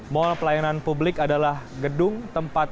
mall pelayanan publik adalah gedung tempat